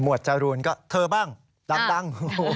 จรูนก็เธอบ้างดัง